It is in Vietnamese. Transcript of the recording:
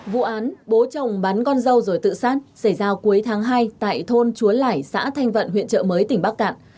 vụ án bố chồng bắn con dâu rồi tự sát xảy ra cuối tháng hai tại thôn chúa lải xã thanh vận huyện chợ mới tỉnh bắc cạn